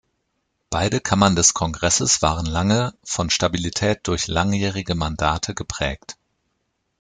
Beide Kammern des Kongresses waren lange von Stabilität durch langjährige Mandate geprägt.